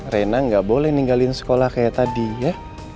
rena nggak boleh ninggalin sekolah kayak tadi ya